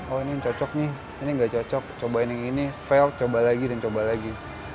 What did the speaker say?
oh ini cocok nih ini gak cocok cobain yang ini fail coba lagi dan coba lagi